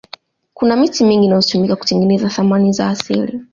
kuna miti mingi inayotumika kutengeneza thamani za asili